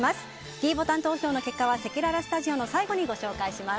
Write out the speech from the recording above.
ｄボタン投票の結果はせきららスタジオの最後にご紹介します。